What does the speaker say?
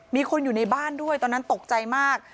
มีคนอยู่ในบ้านด้วยตอนนั้นตกใจมาก